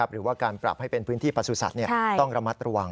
หรือว่าการปรับให้เป็นพื้นที่ประสุทธิ์ต้องระมัดระวัง